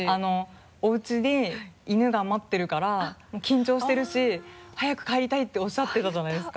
「おうちに犬が待ってるから緊張してるし早く帰りたい」っておっしゃってたじゃないですか。